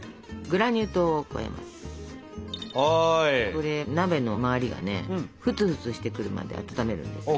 これ鍋の周りがねフツフツしてくるまで温めるんですけど。